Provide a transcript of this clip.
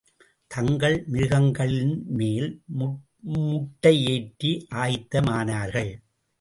தங்கள் மிருகங்களின்மேல் முட்டை ஏற்றி ஆயத்தமானார்கள்.